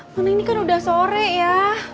karena ini kan udah sore ya